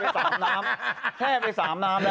เขาบอกแทบไป๓น้ำ